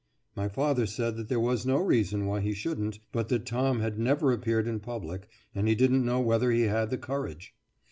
My father said that there was no reason why he shouldn't, but that Tom had never appeared in public, and he didn't know whether he had the courage.